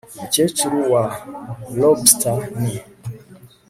Umukecuru wa lobster ni